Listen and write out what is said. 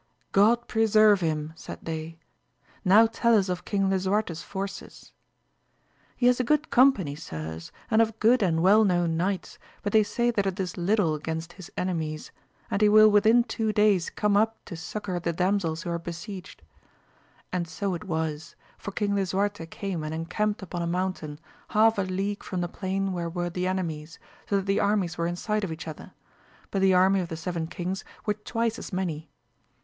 God pre serve him ! said they ; now tell us of Kang Lisuarte*s forces. — He has a good company sirs, and of good and well known knights; but they say that it is little against his enemies, and he will within two days come up to succour the damsels who are besieged. And so 208 AMADIS OF GAUL it was, for King Lisuarte came and encamped npon a mountain, half a league from the plain where were the enemies, so that the armies were in sight of each other ; but the army of the seven kings were twice as many.